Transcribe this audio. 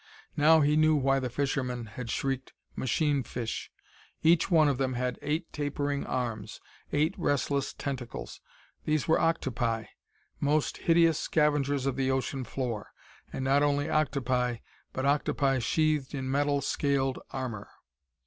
Now he knew why the fishermen had shrieked "machine fish." Each one of them had eight tapering arms, eight restless tentacles. These were octopi, most hideous scavengers of the ocean floor! And not only octopi but octopi sheathed in metal scaled armor!